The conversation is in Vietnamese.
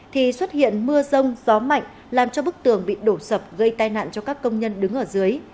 thì xuất hiện mưa rông gió mạnh làm cho bức tường bị đổ sập gây tai nạn cho các công nhân đứng ở dưới